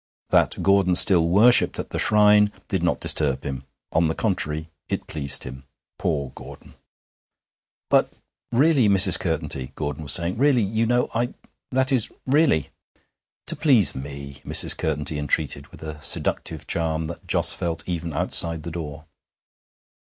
That Gordon still worshipped at the shrine did not disturb him; on the contrary, it pleased him. Poor Gordon! 'But, really, Mrs. Curtenty,' Gordon was saying 'really, you know I that is really ' 'To please me!' Mrs. Curtenty entreated, with a seductive charm that Jos felt even outside the door.